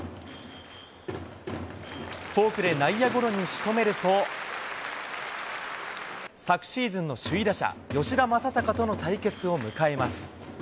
フォークで内野ゴロにしとめると、昨シーズンの首位打者、吉田正尚との対決を迎えます。